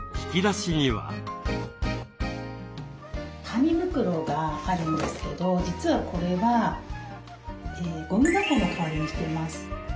紙袋があるんですけど実はこれはゴミ箱の代わりにしてます。